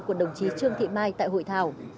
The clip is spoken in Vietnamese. của đồng chí trương thị mai tại hội thảo